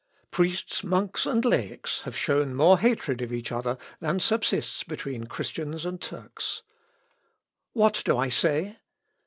Priests, monks, and laics, have shown more hatred of each other than subsists between Christians and Turks. What do I say?